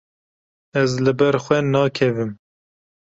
Ez li ber xwe nakevim.